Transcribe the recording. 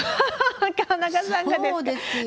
川中さんがですか？